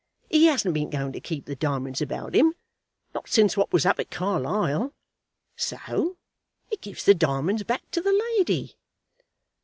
He hasn't been goin' to keep the diamonds about him, not since what was up at Carlisle. So he gives the diamonds back to the lady."